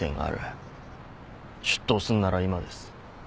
出頭すんなら今です。